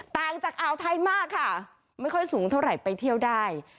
ต่างจากอ่าวไทยมากค่ะไม่ค่อยสูงเท่าไหร่ไปเที่ยวได้